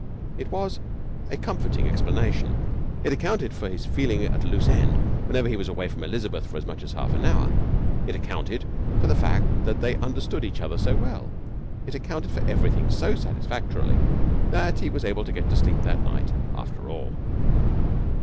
It was a comforting explanation. It accounted for his feeling at a loose end whenever he was away from Elizabeth for as much as half an hour. It accounted for the fact that they understood each other so well. It accounted for everything so satisfactorily that he was able to get to sleep that night after all.